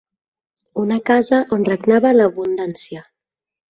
Una casa on regnava l'abundància.